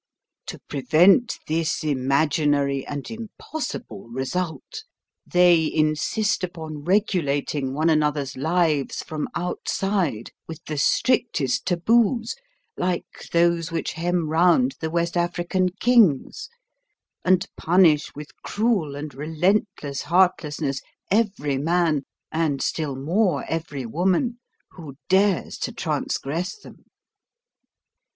To prevent this imaginary and impossible result, they insist upon regulating one another's lives from outside with the strictest taboos, like those which hem round the West African kings, and punish with cruel and relentless heartlessness every man, and still more every woman, who dares to transgress them."